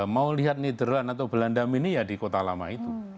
mau lihat nidraland atau belandam ini ya di kota lama itu